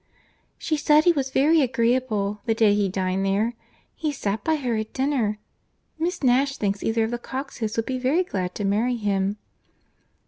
"She said he was very agreeable the day he dined there. He sat by her at dinner. Miss Nash thinks either of the Coxes would be very glad to marry him."